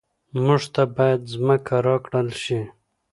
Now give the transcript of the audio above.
موږ ته باید ځمکه راکړل شي